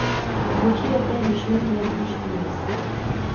مۇشۇ يەردە دۈشمەن بىلەن ئۇرۇش قىلىمىز!